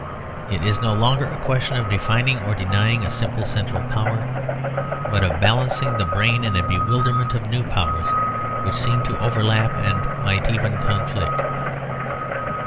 It is no longer a question of defining or denying a simple central power, but of balancing the brain in a bewilderment of new powers which seem to overlap and might even conflict.